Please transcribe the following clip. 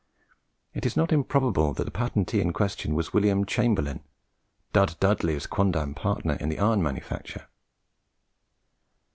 It is not improbable that the patentee in question was William Chamberlaine, Dud Dudley's quondam partner in the iron manufacture.